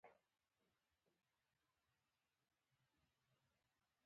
له کړکۍ نه مو دباندې کتل، ګل جانې طبیعت دې څنګه دی؟